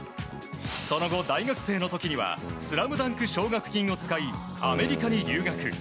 その後、大学生の時にはスラムダンク奨学金を使いアメリカに留学。